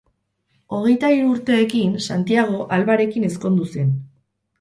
Hogeita hiru urteekin Santiago Albarekin ezkondu zen.